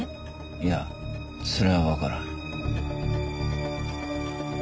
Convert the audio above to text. いやそれはわからん。